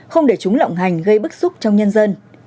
không để chúng lộng hành gây bức xúc trong nhân dân